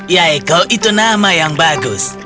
ya eko itu nama yang bagus